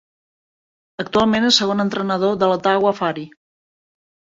Actualment és segon entrenador de l'Ottawa Fury.